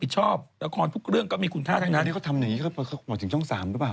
ช่อง๓ดาราเต็มแล้วมั้ยน้อง